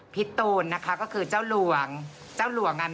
พี่ตูนพูดแล้วเหมือนจะร้องเลยนะล้านเปอร์เซ็นต์